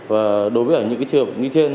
và đối với những trường hợp như trên